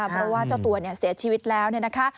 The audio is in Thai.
เพราะว่าเจ้าตัวเสียชีวิตแล้ว